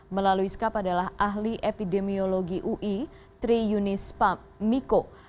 melalui skap adalah ahli epidemiologi ui tri yunis miko